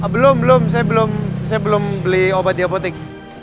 belum belum saya belum beli obat diapotik